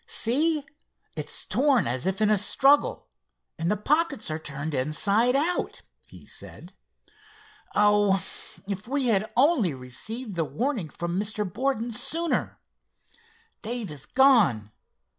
"See, it's torn as if in a struggle, and the pockets are turned inside out," he said. "Oh, if we had only received the warning from Mr. Borden sooner! Dave is gone.